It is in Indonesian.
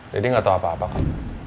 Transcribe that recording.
daddy gak tau apa apa kok